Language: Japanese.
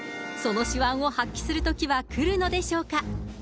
その手腕を発揮するときは来るのでしょうか。